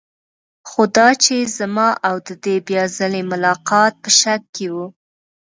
خو دا چې زما او د دې بیا ځلې ملاقات په شک کې و.